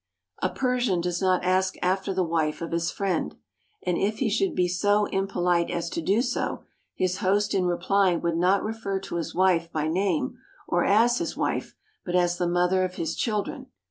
A Persian does not ask after the wife of his friend, and, if he should be so impolite as to do so, his host in replying would not refer to his wife by name or as his wife, but as the mother of his children.